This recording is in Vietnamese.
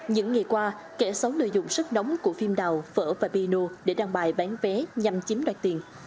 những ngày qua kẻ xấu lợi dụng sức nóng của phim đào phở và piano để đăng bài bán vé nhằm chiếm đoạt tiền